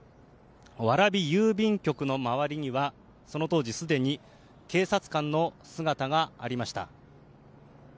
蕨郵便局の周りにはその当時すでに警察官の姿がありました。